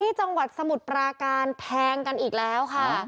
จังหวัดสมุทรปราการแทงกันอีกแล้วค่ะ